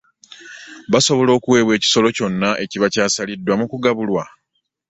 Basobola okweebwa ekisolo kyonna ekiba kyassliddwa okugabulwa.